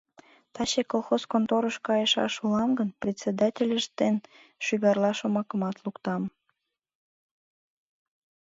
— Таче колхоз конторыш кайышаш улам гын, председательышт дене шӱгарла шомакымат луктам...